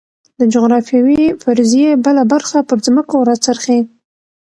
د جغرافیوي فرضیې بله برخه پر ځمکو راڅرخي.